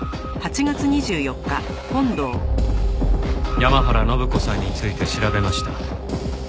山原展子さんについて調べました。